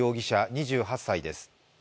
２８歳です。